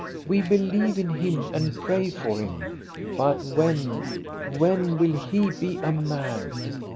We believe in him and pray for him; but when, when will he be a man?'